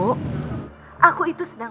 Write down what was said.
aku itu sedang ngumpulin semua uangnya dia